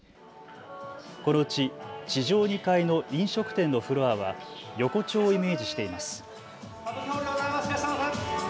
このうち地上２階の飲食店のフロアは横丁をイメージしています。